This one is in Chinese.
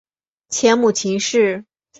前母秦氏。